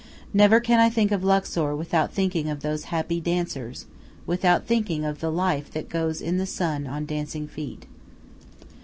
Never can I think of Luxor without thinking of those happy dancers, without thinking of the life that goes in the sun on dancing feet.